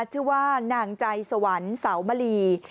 ชื่อว่านางใจสวรรค์สาวมลี